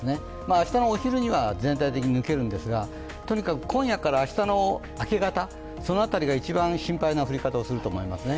明日のお昼には全体的に抜けるんですがとにかく今夜から明日の明け方の辺りが一番心配な降り方をすると思いますね。